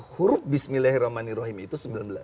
huruf bismillahirrahmanirrahim itu sembilan belas